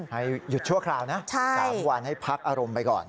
ให้หยุดชั่วคราวนะ๓วันให้พักอารมณ์ไปก่อน